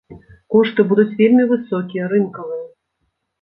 Кошты будуць вельмі высокія, рынкавыя.